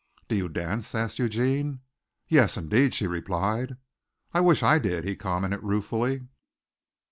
"Do you dance?" asked Eugene. "Yes, indeed," she replied. "I wish I did," he commented ruefully.